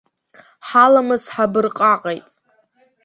Ҳаламыс ҳабырҟаҟеит.